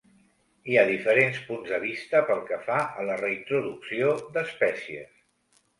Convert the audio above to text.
Hi ha diferents punts de vista pel que fa a la reintroducció d'espècies.